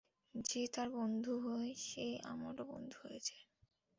যে তার বন্ধু হয় সে আমারও বন্ধু হয়ে যায়।